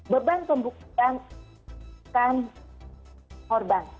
beban pembuktian kan korban